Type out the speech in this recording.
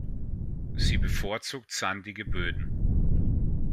Sie bevorzugt sandige Böden.